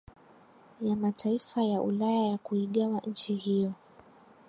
ya mataifa ya Ulaya ya kuigawa nchi hiyo